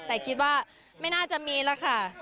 แต่คิดว่าไม่น่าจะมีแล้วค่ะ